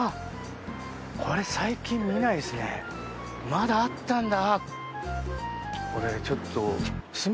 まだあったんだ。